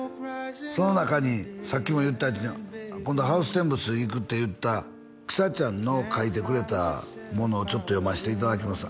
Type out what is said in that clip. その中にさっきも言ったヤツに今度ハウステンボス行くって言ったきさちゃんの書いてくれたものをちょっと読ませていただきます